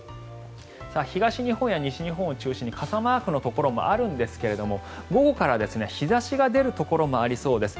東日本や西日本を中心に傘マークのところもあるんですが午後から日差しが出るところもありそうです。